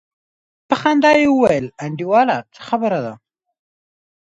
په خندا يې وويل انډيواله څه خبره ده.